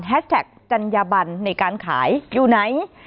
แท็กจัญญบันในการขายอยู่ไหน